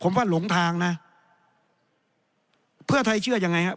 ผมว่าหลงทางนะเพื่อไทยเชื่อยังไงครับ